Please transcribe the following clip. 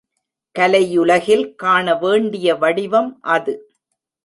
கலை உலகில் காண வேண்டிய வடிவம் அது.